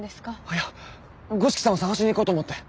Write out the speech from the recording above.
いや五色さんを捜しに行こうと思って。